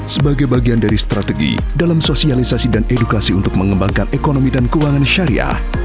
sebagai bagian dari strategi dalam sosialisasi dan edukasi untuk mengembangkan ekonomi dan keuangan syariah